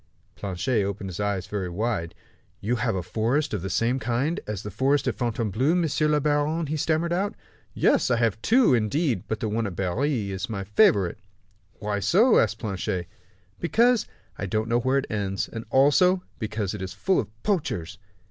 Planchet opened his eyes very wide. "Have you a forest of the same kind as the forest at Fontainebleau, monsieur le baron?" he stammered out. "Yes; I have two, indeed, but the one at Berry is my favorite." "Why so?" asked Planchet. "Because I don't know where it ends; and, also, because it is full of poachers."